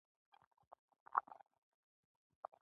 • سختکوش سړی بېکاره نه ناستېږي.